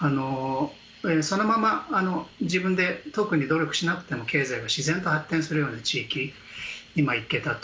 そのまま自分で特に努力しなくても経済が自然と発展するような地域に行けたと。